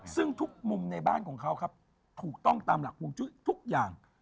ซึ่งทุกมุมในบ้านถูกต้องตามหลังธุมมุมทุกอย่าง